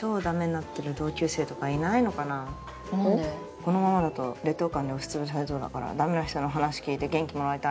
このままだと劣等感に押しつぶされそうだからダメな人の話聞いて元気もらいたい。